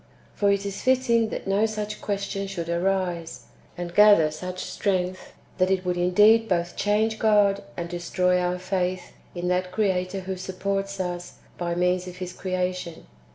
For it is fitting that no such question should arise, and gather such strength, that it would indeed both change God, and destroy our faith in that Creator who supports us by means of His creation.